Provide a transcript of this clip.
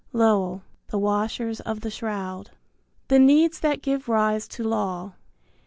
Lowell (The Washers of the Shroud). I. THE NEEDS THAT GIVE RISE TO LAW.